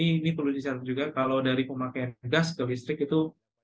ini perlu diserta juga kalau dari pemakaian gas ke listrik itu